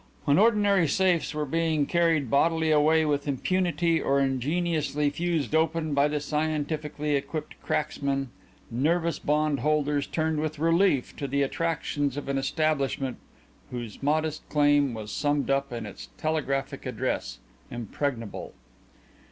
When ordinary safes were being carried bodily away with impunity or ingeniously fused open by the scientifically equipped cracksman, nervous bond holders turned with relief to the attractions of an establishment whose modest claim was summed up in its telegraphic address: "Impregnable."